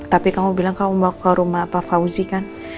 tapi kamu bilang kamu mau ke rumah pak fauzi kan